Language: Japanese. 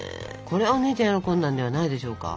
これはお姉ちゃん喜んだんではないでしょうか。